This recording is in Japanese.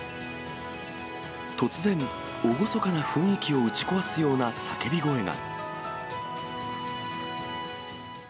突然、厳かな雰囲気を打ち壊すような叫び声が。